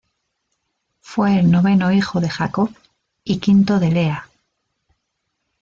Fue el noveno hijo de Jacob y quinto de Lea.